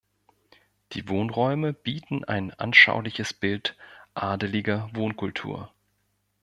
Die Wohnräume bieten ein anschauliches Bild adeliger Wohnkultur.